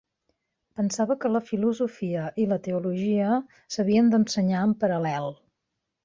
Pensava que la filosofia i la teologia s'havien d'ensenyar en paral·lel.